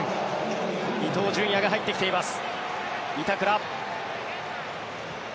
伊東純也が入ってきています。